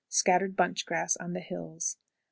Scattered bunch grass on the hills. 11.